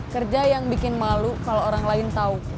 kerja yang bikin malu kalau orang lain tahu